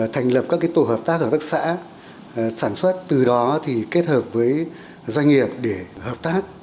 thành lập các cái tổ hợp tác ở các xã sản xuất từ đó thì kết hợp với doanh nghiệp để hợp tác